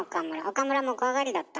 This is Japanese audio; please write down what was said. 岡村も怖がりだった？